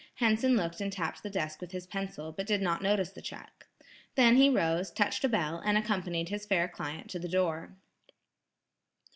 Henson looked and tapped the desk with his pencil, but did not notice the check. Then he rose, touched a bell, and accompanied his fair client to the door.